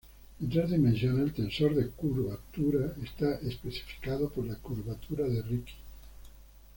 En tres dimensiones, el tensor de curvatura está especificado por la curvatura de Ricci.